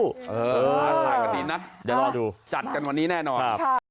อือนะหลายกว่าทีนะเดี๋ยวลองดูจัดกันวันนี้แน่นอนครับ